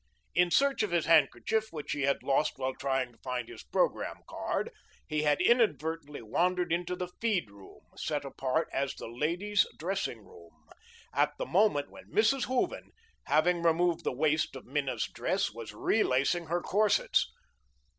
In a search for his handkerchief, which he had lost while trying to find his programme card, he had inadvertently wandered into the feed room, set apart as the ladies' dressing room, at the moment when Mrs. Hooven, having removed the waist of Minna's dress, was relacing her corsets.